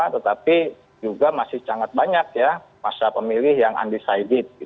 tetapi juga masih sangat banyak ya masa pemilih yang undecided